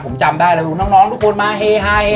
ผมจำได้และพี่น้องทุกคนมาฮ่า